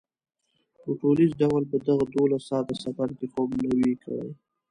په ټولیز ډول په دغه دولس ساعته سفر کې خوب نه و کړی.